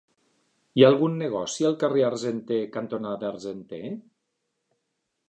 Hi ha algun negoci al carrer Argenter cantonada Argenter?